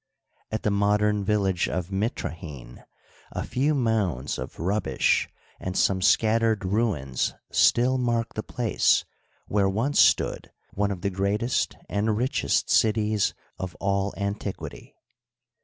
At the modem village of Mitrahine a few mounds of rubbish and some scattered ruins still mark the place where once stood one of the greatest and richest cities of all antiquity.